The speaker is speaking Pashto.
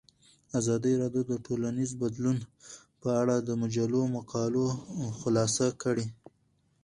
ازادي راډیو د ټولنیز بدلون په اړه د مجلو مقالو خلاصه کړې.